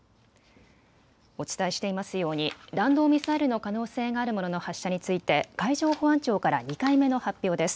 お伝えしていますように弾道ミサイルのの可能性があるものの発射について海上保安庁から２回目の発表です。